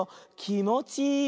「きもちいい」！